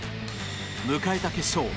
迎えた決勝。